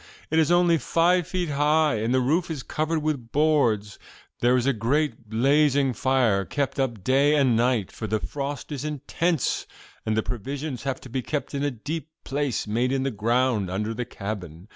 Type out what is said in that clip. It is only five feet high, and the roof is covered with boards. There is a great blazing fire kept up day and night, for the frost is intense, and the provisions have to be kept in a deep place made in the ground under the cabin.